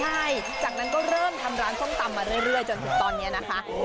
ใช่จากนั้นก็เริ่มทำร้านส้มตำมาเรื่อยจนถึงตอนนี้นะคะ